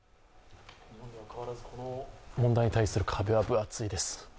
この問題に対する壁は分厚いです。